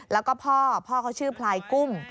แล้วก็พ่อพ่อเขาชื่อพลายกุ้ง